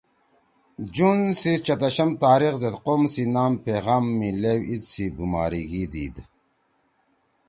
جون سی چتشم تاریخ زید قوم سی نام پیغام می لیؤ عید سی بُماریِگی دیِد